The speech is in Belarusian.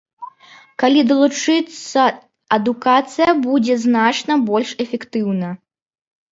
Калі далучыцца адукацыя, будзе значна больш эфектыўна.